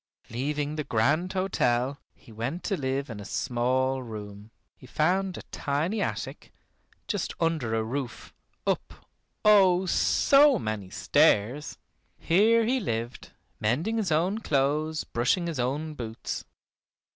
Leaving the grand hotel he went to live in a small room. He found a tiny attic, just under a roof, up, oh! so many stairs. Here he lived, mending his own clothes, brushing his own boots.